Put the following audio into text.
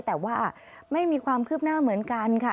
แต่ว่าไม่มีความคืบหน้าเหมือนกันค่ะ